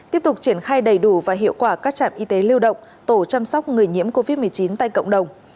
tiếp tục triển khai đầy đủ và hiệu quả các trạm y tế lưu động tổ chăm sóc người nhiễm covid một mươi chín tại cộng đồng